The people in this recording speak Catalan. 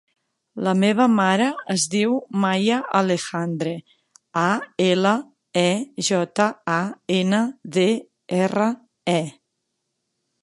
La meva mare es diu Maya Alejandre: a, ela, e, jota, a, ena, de, erra, e.